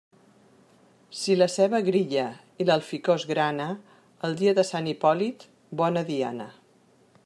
Si la ceba grilla i l'alficòs grana, el dia de Sant Hipòlit, bona diana.